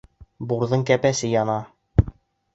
Бурҙың кәпәсе яна!